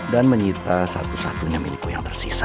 dan menyita satu satunya milikku yang tersisa